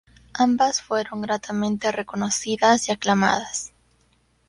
Ambas fueron gratamente reconocidas y aclamadas.